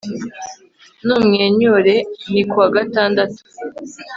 numwenyure ni ku wa gatandatu